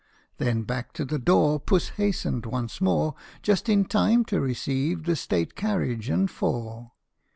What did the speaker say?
Then back to the door Puss hastened once more, Just in time to receive the state carriage and four.